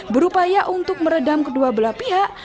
berupaya untuk meredam kedua belah pihak